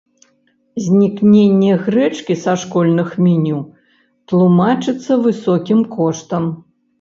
Знікненне грэчкі са школьных меню тлумачыцца высокім коштам.